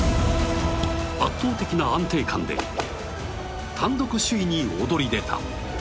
圧倒的な安定感で単独首位に躍り出た。